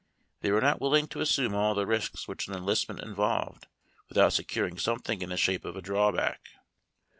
They were not willing to assume all the risks which an enlistment involved, without securing; somethino' in the shape of a drawback.